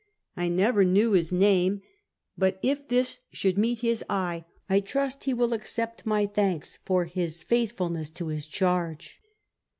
I never knew his 352 Half a Oentuet. name, but if this should meet his eye I trust he will accept my thanks for his faithfulness to his charge.